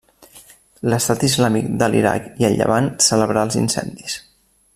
L'Estat Islàmic de l'Iraq i el Llevant celebrà els incendis.